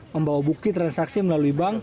membawa bukti transaksi melalui bank